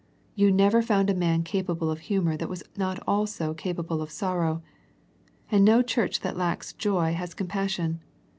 You never found a man capable of humour that was not also capable of sorrow. And no church that lacks joy has compassion.